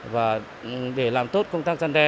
và để làm tốt công tác gian đe